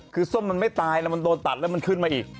คือส้มมันไม่ตายแล้วมันโดนตัดแล้วมันขึ้นมาอีก